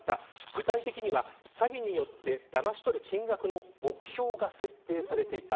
具体的には詐欺によってだまし取る金額の目標が設定されていた。